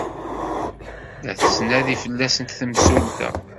La tettnadi fell-asent temsulta.